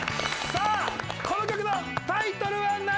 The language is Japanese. さあこの曲のタイトルは何？